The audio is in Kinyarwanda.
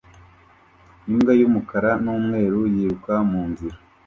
Imbwa y'umukara n'umweru yiruka mu nzira